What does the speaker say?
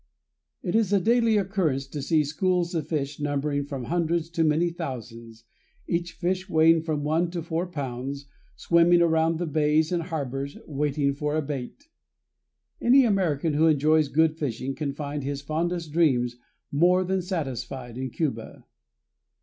It is a daily occurrence to see schools of fish numbering from hundreds to many thousands, each fish weighing from one to four pounds, swimming around the bays and harbors waiting for a bait. Any American who enjoys good fishing can find his fondest dreams more than satisfied in Cuba.